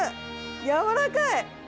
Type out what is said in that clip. やわらかい！